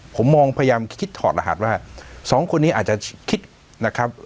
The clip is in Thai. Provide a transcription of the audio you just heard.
ผมมองพยายามคิดถอดรหัสว่าสองคนนี้อาจจะคิดนะครับ